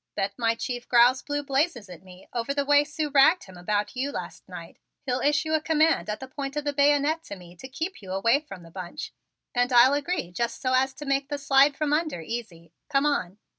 Bet my chief growls blue blazes at me over the way Sue ragged him about you last night. He'll issue a command at the point of the bayonet to me to keep you away from the bunch, and I'll agree just so as to make the slide from under easy. Come on."